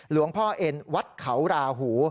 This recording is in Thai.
หลวงพ่อเอ็นวัดเขาราหู